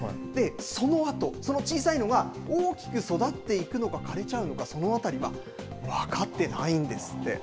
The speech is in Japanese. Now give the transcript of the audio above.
そのあと、その小さいのが大きく育っていくのか枯れちゃうのか、そのあたりは分かってないんですって。